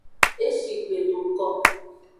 Eshi gbe do ko.